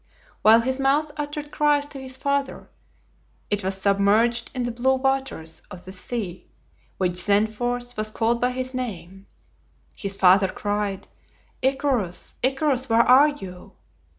While his mouth uttered cries to his father it was submerged in the blue waters of the sea, which thenceforth was called by his name. His father cried, "Icarus, Icarus, where are you?"